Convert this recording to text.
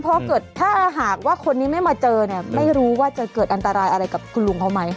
เพราะเกิดถ้าหากว่าคนนี้ไม่มาเจอเนี่ยไม่รู้ว่าจะเกิดอันตรายอะไรกับคุณลุงเขาไหม